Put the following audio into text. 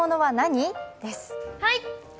はい！